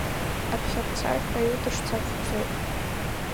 Аԥхьарцарҳәаҩы дышцац дцоит…